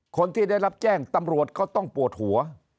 คนที่ได้รับแจ้งตำรวจก็ต้องปวดหัว